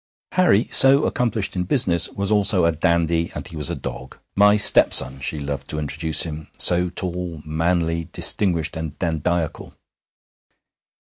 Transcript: Harry, so accomplished in business, was also a dandy, and he was a dog. 'My stepson' she loved to introduce him, so tall, manly, distinguished, and dandiacal.